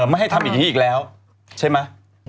ไม่ให้ทำแบบนี้อีกแล้วใช่มั้ย